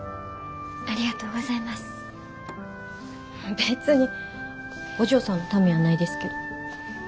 別にお嬢さんのためやないですけど。